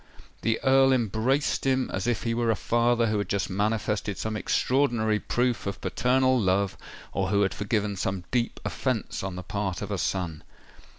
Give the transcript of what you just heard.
_" The Earl embraced him as if he were a father who had just manifested some extraordinary proof of paternal love, or who had forgiven some deep offence on the part of a son.